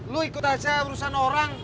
lu ikut aja urusan orang